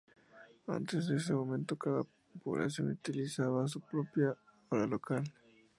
Antes de ese momento, cada población utilizaba su propia hora local.